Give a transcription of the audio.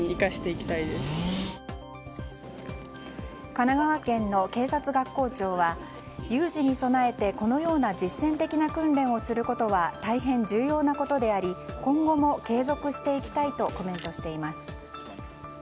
神奈川県の警察学校長は有事に備えてこのような実践的な訓練をすることは大変、重要なことであり今後も継続していきたいとコメントしています。